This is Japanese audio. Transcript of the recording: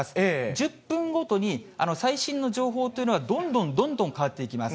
１０分ごとに最新の情報というのは、どんどんどんどん変わっていきます。